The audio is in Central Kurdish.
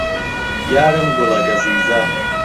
یارم گوڵە گەزیزە